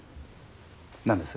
何です？